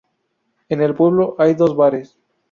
En el pueblo hay dos bares.